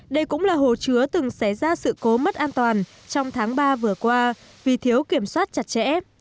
đây cũng là hồ chứa từng xảy ra sự cố mất an toàn trong tháng ba vừa qua vì thiếu kiểm soát chặt chẽ